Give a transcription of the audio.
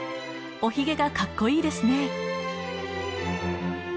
お髭がかっこいいですね。